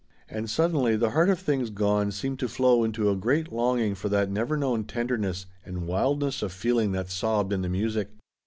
And suddenly the heart of things gone seemed to flow into a great longing for that never known tenderness and wildness of feeling that sobbed in the music.